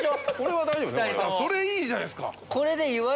それいいじゃないですか。